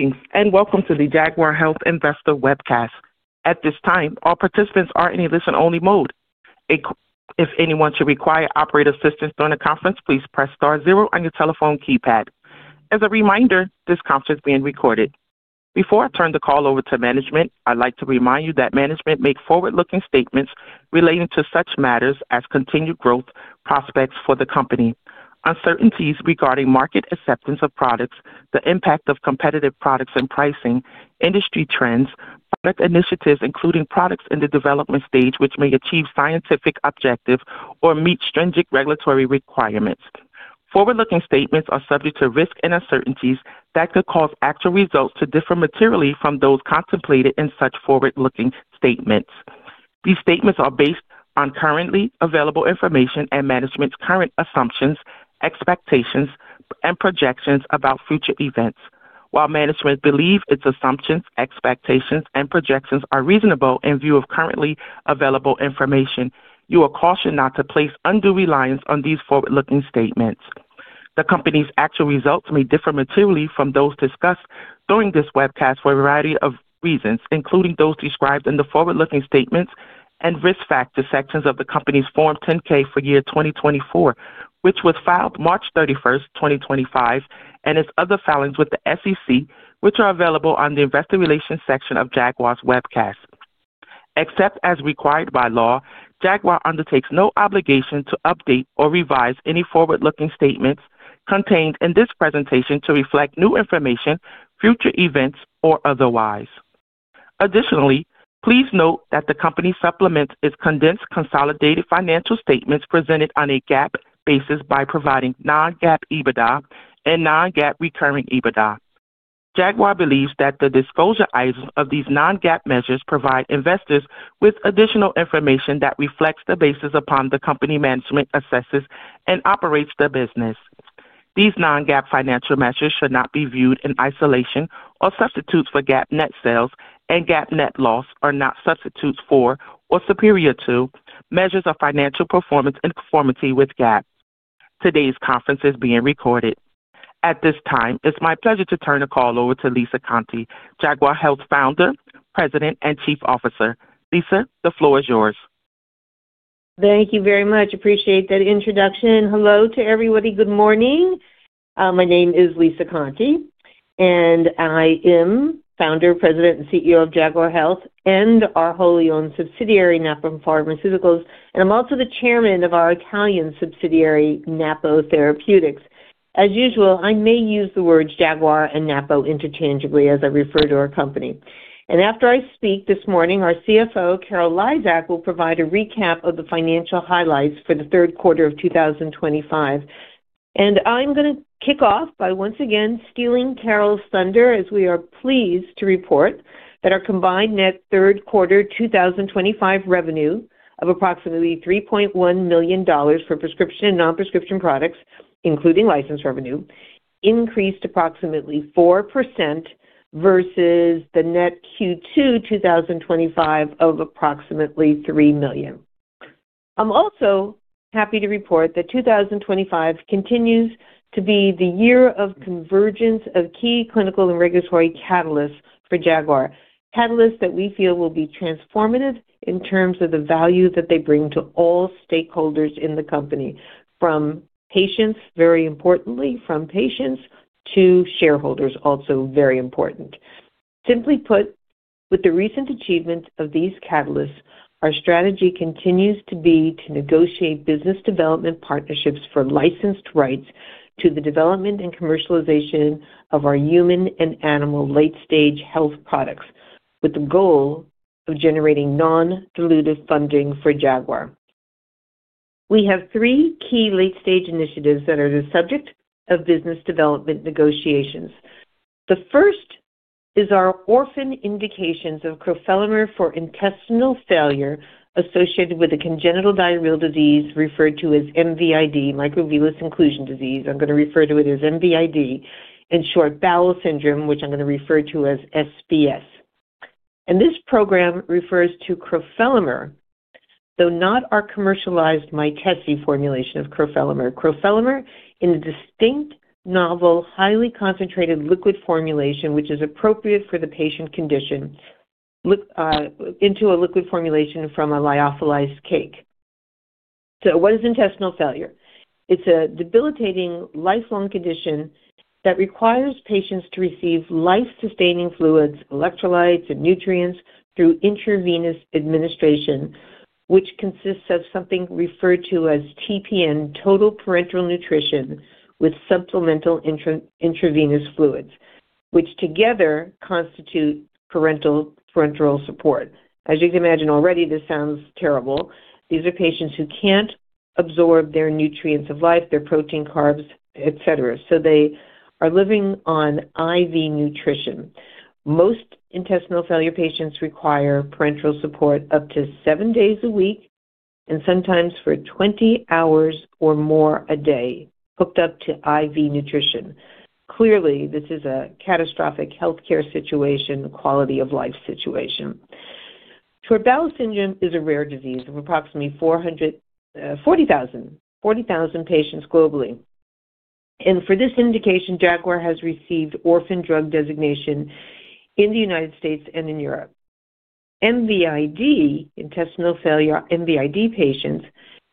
Greetings and welcome to the Jaguar Health Investor Webcast. At this time, all participants are in a listen-only mode. If anyone should require operator assistance during the conference, please press star zero on your telephone keypad. As a reminder, this conference is being recorded. Before I turn the call over to management, I'd like to remind you that management makes forward-looking statements relating to such matters as continued growth prospects for the company, uncertainties regarding market acceptance of products, the impact of competitive products and pricing, industry trends, product initiatives including products in the development stage which may achieve scientific objectives or meet stringent regulatory requirements. Forward-looking statements are subject to risks and uncertainties that could cause actual results to differ materially from those contemplated in such forward-looking statements. These statements are based on currently available information and management's current assumptions, expectations, and projections about future events. While management believes its assumptions, expectations, and projections are reasonable in view of currently available information, you are cautioned not to place undue reliance on these forward-looking statements. The company's actual results may differ materially from those discussed during this webcast for a variety of reasons, including those described in the forward-looking statements and risk factor sections of the company's Form 10-K for year 2024, which was filed March 31, 2025, and its other filings with the SEC, which are available on the investor relations section of Jaguar's webcast. Except as required by law, Jaguar undertakes no obligation to update or revise any forward-looking statements contained in this presentation to reflect new information, future events, or otherwise. Additionally, please note that the company supplements its condensed consolidated financial statements presented on a GAAP basis by providing non-GAAP EBITDA and non-GAAP recurring EBITDA. Jaguar believes that the disclosure items of these non-GAAP measures provide investors with additional information that reflects the basis upon which company management assesses and operates the business. These non-GAAP financial measures should not be viewed in isolation or as substitutes for GAAP net sales, and GAAP net loss are not substitutes for or superior to measures of financial performance in conformity with GAAP. Today's conference is being recorded. At this time, it's my pleasure to turn the call over to Lisa Conte, Jaguar Health's founder, president, and chief officer. Lisa, the floor is yours. Thank you very much. Appreciate that introduction. Hello to everybody. Good morning. My name is Lisa Conte, and I am Founder, President, and CEO of Jaguar Health and our wholly owned subsidiary, Napo Pharmaceuticals. I am also the Chairman of our Italian subsidiary, Napo Therapeutics. As usual, I may use the words Jaguar and Napo interchangeably as I refer to our company. After I speak this morning, our CFO, Carol Lizak, will provide a recap of the financial highlights for the third quarter of 2025. I am going to kick off by once again stealing Carol's thunder as we are pleased to report that our combined net third quarter 2025 revenue of approximately $3.1 million for prescription and non-prescription products, including license revenue, increased approximately 4% versus the net Q2 2025 of approximately $3 million. I'm also happy to report that 2025 continues to be the year of convergence of key clinical and regulatory catalysts for Jaguar, catalysts that we feel will be transformative in terms of the value that they bring to all stakeholders in the company, from patients, very importantly, from patients to shareholders, also very important. Simply put, with the recent achievements of these catalysts, our strategy continues to be to negotiate business development partnerships for licensed rights to the development and commercialization of our human and animal late-stage health products, with the goal of generating non-dilutive funding for Jaguar. We have three key late-stage initiatives that are the subject of business development negotiations. The first is our orphan indications of Crofelemer for intestinal failure associated with a congenital diarrheal disease referred to as MVID, Microvillus Inclusion Disease. I'm going to refer to it as MVID, in short, bowel syndrome, which I'm going to refer to as SBS. And this program refers to crofelemer, though not our commercialized Mytesi formulation of crofelemer. Crofelemer in a distinct, novel, highly concentrated liquid formulation, which is appropriate for the patient condition, into a liquid formulation from a lyophilized cake. So what is intestinal failure? It's a debilitating lifelong condition that requires patients to receive life-sustaining fluids, electrolytes, and nutrients through intravenous administration, which consists of something referred to as TPN, total parenteral nutrition, with supplemental intravenous fluids, which together constitute parenteral support. As you can imagine already, this sounds terrible. These are patients who can't absorb their nutrients of life, their protein, carbs, etc. So they are living on IV nutrition. Most intestinal failure patients require parenteral support up to seven days a week and sometimes for 20 hours or more a day, hooked up to IV nutrition. Clearly, this is a catastrophic healthcare situation, quality of life situation. Short bowel syndrome is a rare disease of approximately 40,000 patients globally. For this indication, Jaguar has received orphan drug designation in the United States and in Europe. MVID, intestinal failure, MVID patients,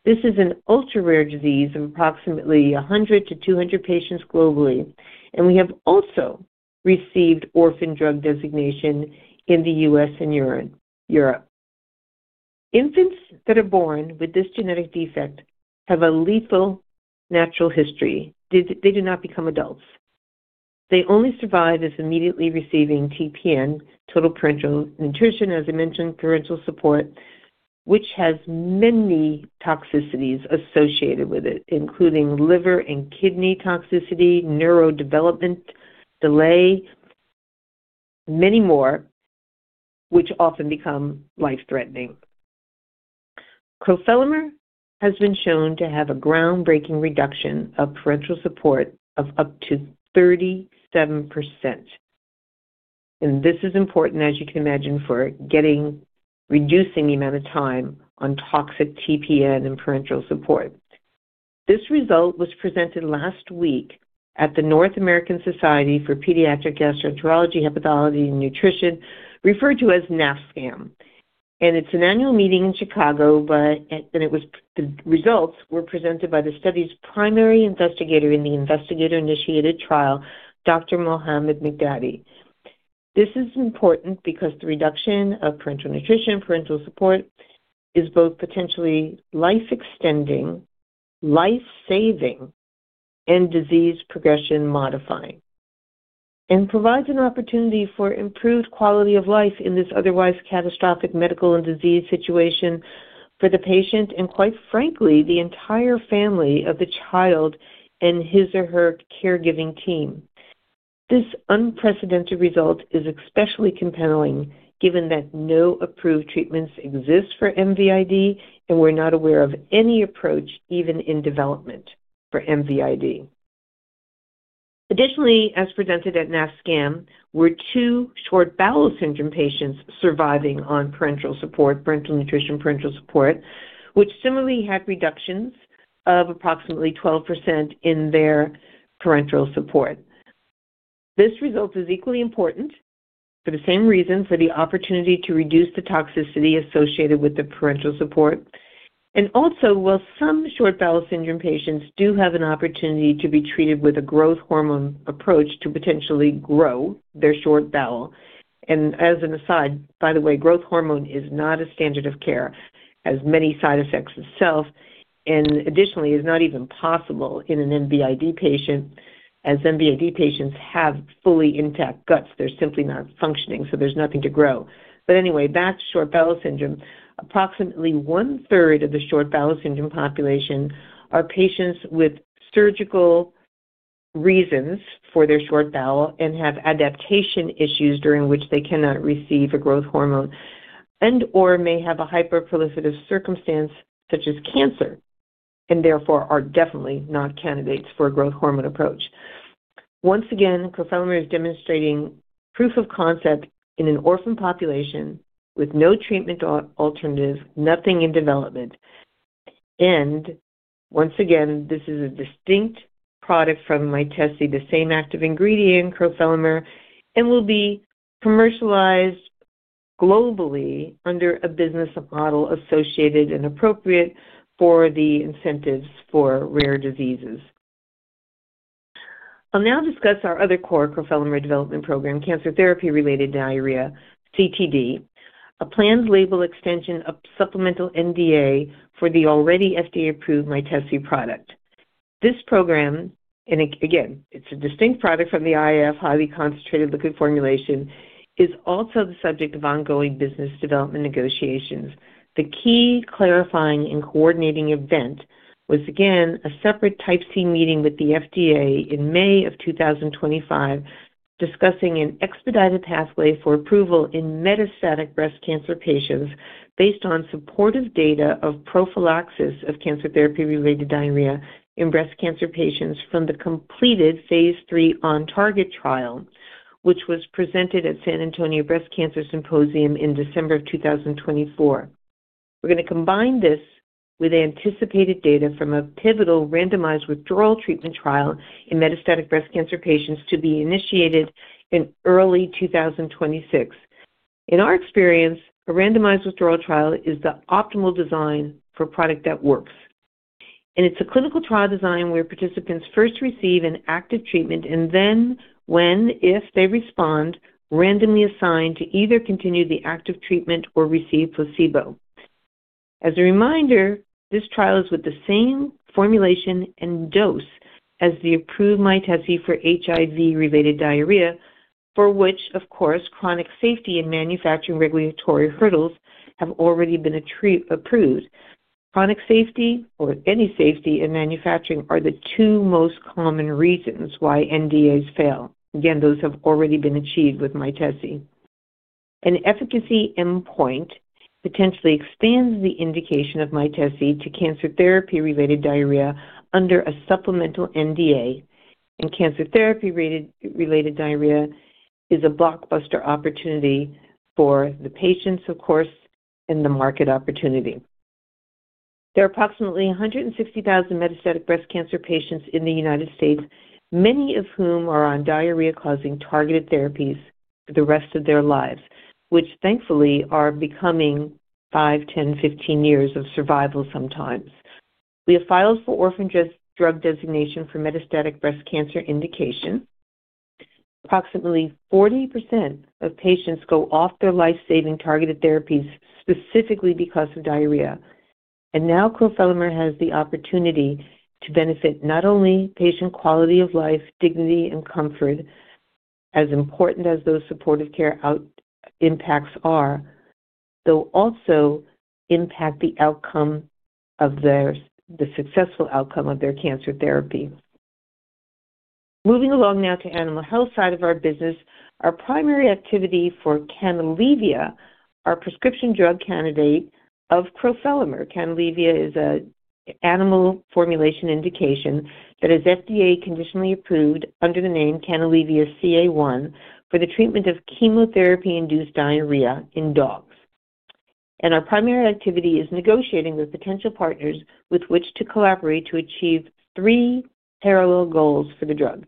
this is an ultra-rare disease of approximately 100-200 patients globally. We have also received orphan drug designation in the U.S. and Europe. Infants that are born with this genetic defect have a lethal natural history. They do not become adults. They only survive as immediately receiving TPN, Total Parenteral Nutrition, as I mentioned, parenteral support, which has many toxicities associated with it, including liver and kidney toxicity, neurodevelopment delay, many more, which often become life-threatening. Crofelemer has been shown to have a groundbreaking reduction of parenteral support of up to 37%. This is important, as you can imagine, for reducing the amount of time on toxic TPN and parenteral support. This result was presented last week at the North American Society for Pediatric Gastroenterology, Hepatology, and Nutrition, referred to as NASPGHAN. It is an annual meeting in Chicago, and the results were presented by the study's primary investigator in the investigator-initiated trial, Dr. Mohammed Mighdadi. This is important because the reduction of parenteral nutrition, parenteral support is both potentially life-extending, life-saving, and disease progression-modifying, and provides an opportunity for improved quality of life in this otherwise catastrophic medical and disease situation for the patient and, quite frankly, the entire family of the child and his or her caregiving team. This unprecedented result is especially compelling given that no approved treatments exist for MVID, and we're not aware of any approach, even in development, for MVID. Additionally, as presented at NAFSCAM, were two short bowel syndrome patients surviving on parenteral support, parenteral nutrition, parenteral support, which similarly had reductions of approximately 12% in their parenteral support. This result is equally important for the same reason, for the opportunity to reduce the toxicity associated with the parenteral support. Also, while some short bowel syndrome patients do have an opportunity to be treated with a growth hormone approach to potentially grow their short bowel. As an aside, by the way, growth hormone is not a standard of care, has many side effects itself, and additionally, is not even possible in an MVID patient, as MVID patients have fully intact guts. They're simply not functioning, so there's nothing to grow. Anyway, back to short bowel syndrome. Approximately one-third of the short bowel syndrome population are patients with surgical reasons for their short bowel and have adaptation issues during which they cannot receive a growth hormone and/or may have a hyperproliferative circumstance such as cancer, and therefore are definitely not candidates for a growth hormone approach. Once again, crofelemer is demonstrating proof of concept in an orphan population with no treatment alternative, nothing in development. Once again, this is a distinct product from Mytesi, the same active ingredient, crofelemer, and will be commercialized globally under a business model associated and appropriate for the incentives for rare diseases. I'll now discuss our other core crofelemer development program, cancer therapy-related diarrhea, CTD, a planned label extension of supplemental NDA for the already FDA-approved Mytesi product. This program, and again, it's a distinct product from the IF, highly concentrated liquid formulation, is also the subject of ongoing business development negotiations. The key clarifying and coordinating event was, again, a separate type C meeting with the FDA in May of 2025 discussing an expedited pathway for approval in metastatic breast cancer patients based on supportive data of prophylaxis of cancer therapy-related diarrhea in breast cancer patients from the completed phase III on-target trial, which was presented at San Antonio Breast Cancer Symposium in December of 2024. We're going to combine this with anticipated data from a pivotal randomized withdrawal treatment trial in metastatic breast cancer patients to be initiated in early 2026. In our experience, a randomized withdrawal trial is the optimal design for a product that works. It's a clinical trial design where participants first receive an active treatment and then, if they respond, are randomly assigned to either continue the active treatment or receive placebo. As a reminder, this trial is with the same formulation and dose as the approved Mytesi for HIV-related diarrhea, for which, of course, chronic safety and manufacturing regulatory hurdles have already been approved. Chronic safety or any safety in manufacturing are the two most common reasons why NDAs fail. Those have already been achieved with Mytesi. The efficacy endpoint potentially expands the indication of Mytesi to cancer therapy-related diarrhea under a supplemental NDA, and cancer therapy-related diarrhea is a blockbuster opportunity for the patients, of course, and the market opportunity. There are approximately 160,000 metastatic breast cancer patients in the United States, many of whom are on diarrhea-causing targeted therapies for the rest of their lives, which thankfully are becoming 5, 10, 15 years of survival sometimes. We have filed for orphan drug designation for metastatic breast cancer indication. Approximately 40% of patients go off their life-saving targeted therapies specifically because of diarrhea. Now crofelemer has the opportunity to benefit not only patient quality of life, dignity, and comfort, as important as those supportive care impacts are, though also impact the outcome of the successful outcome of their cancer therapy. Moving along now to the animal health side of our business, our primary activity for Canalivia is our prescription drug candidate of crofelemer. Canalivia is an animal formulation indication that is FDA conditionally approved under the name Canalivia CA1 for the treatment of chemotherapy-induced diarrhea in dogs. Our primary activity is negotiating with potential partners with which to collaborate to achieve three parallel goals for the drug: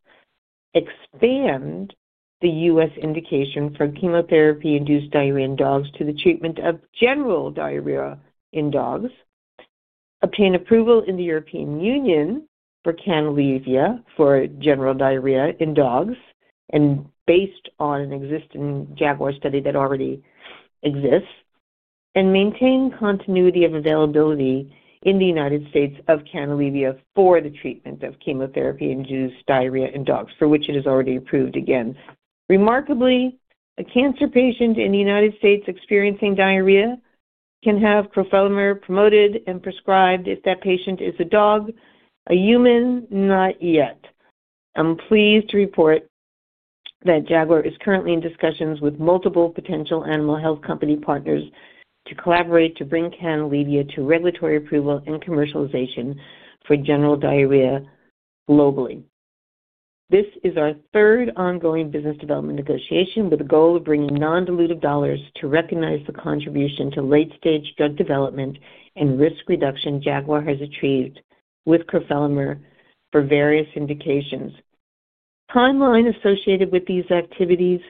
expand the US indication for chemotherapy-induced diarrhea in dogs to the treatment of general diarrhea in dogs, obtain approval in the European Union for Canalivia for general diarrhea in dogs, and, based on an existing Jaguar study that already exists, maintain continuity of availability in the United States of Canalivia for the treatment of chemotherapy-induced diarrhea in dogs, for which it is already approved again. Remarkably, a cancer patient in the United States experiencing diarrhea can have crofelemer promoted and prescribed if that patient is a dog; a human, not yet. I'm pleased to report that Jaguar is currently in discussions with multiple potential animal health company partners to collaborate to bring Canalivia to regulatory approval and commercialization for general diarrhea globally. This is our third ongoing business development negotiation with the goal of bringing non-dilutive dollars to recognize the contribution to late-stage drug development and risk reduction Jaguar has achieved with crofelemer for various indications. Timeline associated with these activities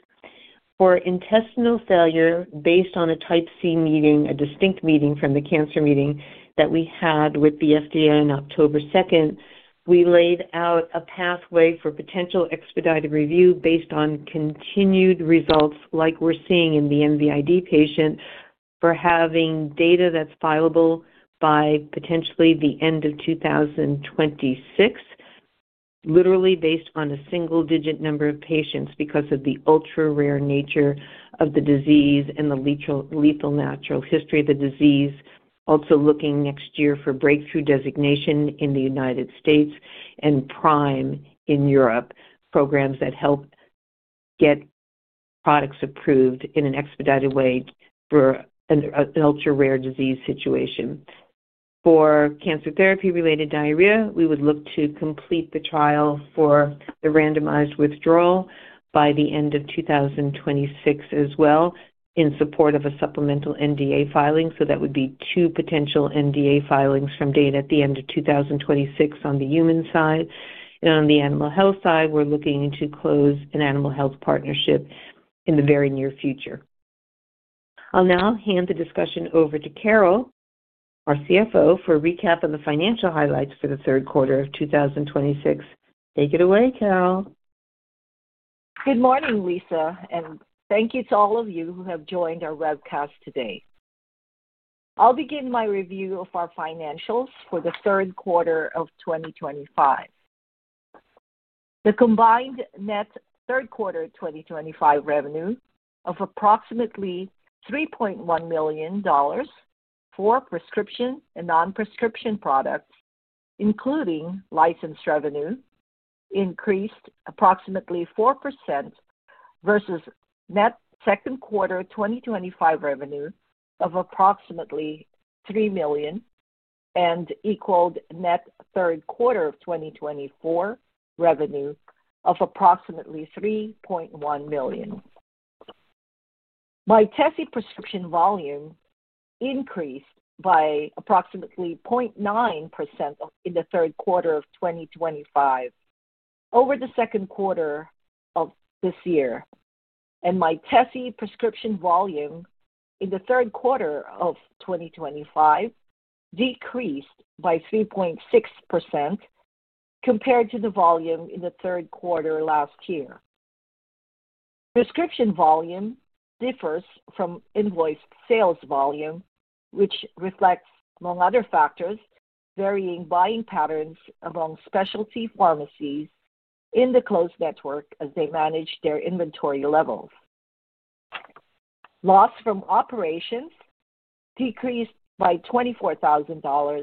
for intestinal failure, based on a type C meeting, a distinct meeting from the cancer meeting that we had with the FDA on October 2nd, we laid out a pathway for potential expedited review based on continued results like we're seeing in the MVID patient for having data that's viable by potentially the end of 2026, literally based on a single-digit number of patients because of the ultra-rare nature of the disease and the lethal natural history of the disease. Also looking next year for breakthrough designation in the United States and prime in Europe programs that help get products approved in an expedited way for an ultra-rare disease situation. For cancer therapy-related diarrhea, we would look to complete the trial for the randomized withdrawal by the end of 2026 as well in support of a supplemental NDA filing. That would be two potential NDA filings from date at the end of 2026 on the human side. On the animal health side, we're looking to close an animal health partnership in the very near future. I'll now hand the discussion over to Carol, our CFO, for a recap of the financial highlights for the third quarter of 2026. Take it away, Carol. Good morning, Lisa, and thank you to all of you who have joined our webcast today. I'll begin my review of our financials for the third quarter of 2025. The combined net third quarter 2025 revenue of approximately $3.1 million for prescription and non-prescription products, including license revenue, increased approximately 4% versus net second quarter 2025 revenue of approximately $3 million and equaled net third quarter 2024 revenue of approximately $3.1 million. Mytesi prescription volume increased by approximately 0.9% in the third quarter of 2025 over the second quarter of this year. Mytesi prescription volume in the third quarter of 2025 decreased by 3.6% compared to the volume in the third quarter last year. Prescription volume differs from invoice sales volume, which reflects, among other factors, varying buying patterns among specialty pharmacies in the closed network as they manage their inventory levels. Loss from operations decreased by $24,000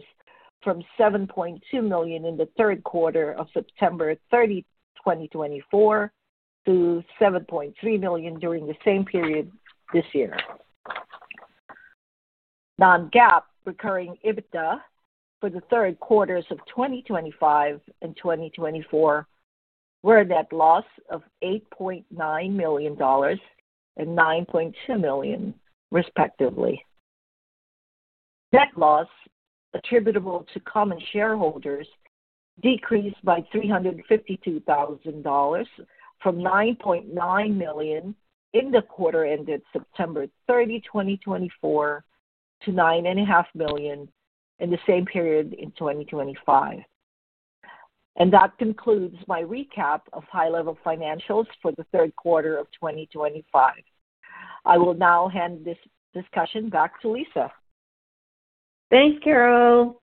from $7.2 million in the third quarter ended September 30, 2024, to $7.3 million during the same period this year. Non-GAAP recurring EBITDA for the third quarters of 2025 and 2024 were a net loss of $8.9 million and $9.2 million, respectively. Net loss attributable to common shareholders decreased by $352,000 from $9.9 million in the quarter ended September 30, 2024, to $9.5 million in the same period in 2025. That concludes my recap of high-level financials for the third quarter of 2025. I will now hand this discussion back to Lisa. Thanks, Carol.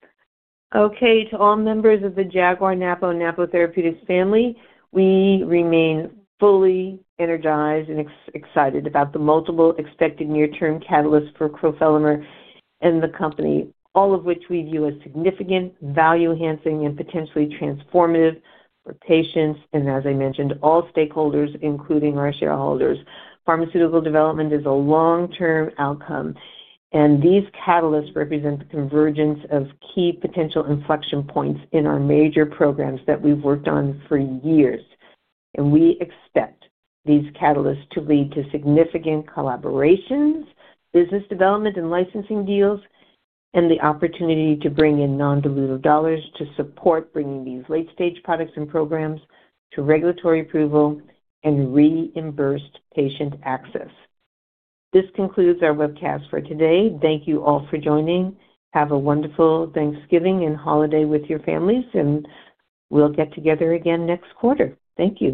Okay, to all members of the Jaguar, Napo, and Napo Therapeutics family, we remain fully energized and excited about the multiple expected near-term catalysts for crofelemer and the company, all of which we view as significant, value-enhancing, and potentially transformative for patients and, as I mentioned, all stakeholders, including our shareholders. Pharmaceutical development is a long-term outcome, and these catalysts represent the convergence of key potential inflection points in our major programs that we've worked on for years. We expect these catalysts to lead to significant collaborations, business development, and licensing deals, and the opportunity to bring in non-dilutive dollars to support bringing these late-stage products and programs to regulatory approval and reimbursed patient access. This concludes our webcast for today. Thank you all for joining. Have a wonderful Thanksgiving and holiday with your families, and we'll get together again next quarter. Thank you.